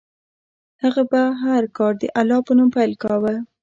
هغه به هر کار د الله په نوم پیل کاوه.